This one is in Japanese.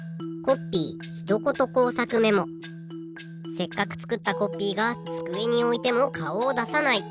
せっかくつくったコッピーがつくえにおいてもかおをださない。